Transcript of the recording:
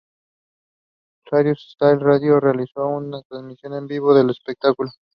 Sirius Satellite Radio realizó una transmisión en vivo del espectáculo.